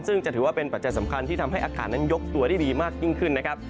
ซึ่งจะถือว่าเป็นปัจจัยสำคัญที่ทำให้อากาศนั้นยกตัวได้ดีมากยิ่งขึ้นนะครับ